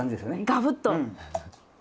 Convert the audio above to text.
ガブッと。